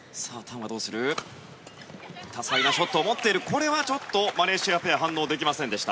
これはちょっとマレーシアペア反応できませんでした。